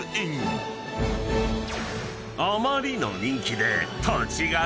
［あまりの人気で］